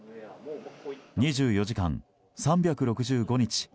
２４時間３６５日